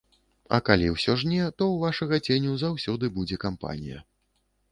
А калі ўсё ж не, то ў вашага ценю заўсёды будзе кампанія.